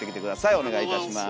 お願いいたします。